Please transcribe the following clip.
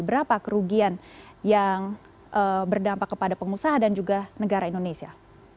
berapa kerugian yang berdampak kepada pengusaha dan juga negara indonesia